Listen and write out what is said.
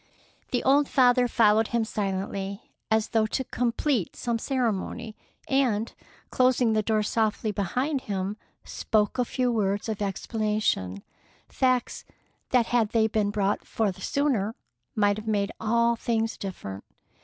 The old father followed him silently, as though to complete some ceremony, and, closing the door softly behind him, spoke a few words of explanation, facts that had they been brought forth sooner might have made all things different.